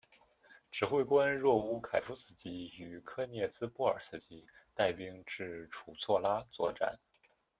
指挥官若乌凯夫斯基与科涅茨波尔斯基带兵至楚措拉作战。